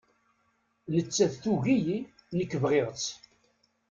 Nettat tugi-iyi nek bɣiɣ-tt